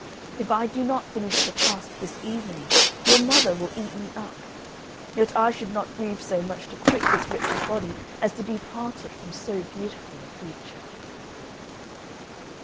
If I do not finish the task this evening your mother will eat me up; yet I should not grieve so much to quit this wretched body as to be parted from so beautiful a creature."